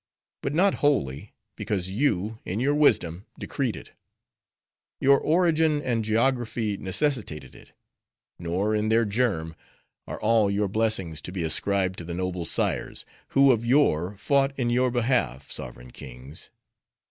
But not wholly, because you, in your wisdom, decreed it: your origin and geography necessitated it. Nor, in their germ, are all your blessings to be ascribed to the noble sires, who of yore fought in your behalf, sovereign kings!